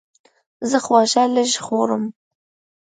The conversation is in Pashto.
زه خواږه لږ خورم.